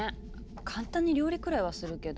簡単に料理くらいはするけど。